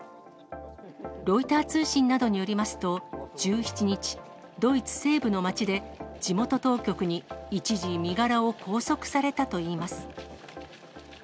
ロイター通信などによりますと、１７日、ドイツ西部の街で、地元当局に一時、身柄を拘束されたといいます。